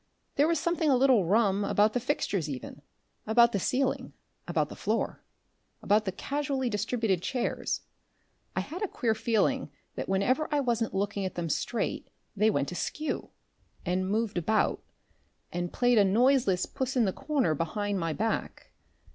There was something a little rum about the fixtures even, about the ceiling, about the floor, about the casually distributed chairs. I had a queer feeling that whenever I wasn't looking at them straight they went askew, and moved about, and played a noiseless puss in the corner behind my back.